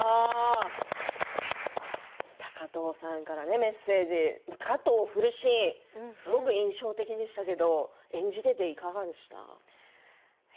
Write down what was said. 高藤さんからのメッセージ振るシーン印象的でしたけれども演じていていかがですか？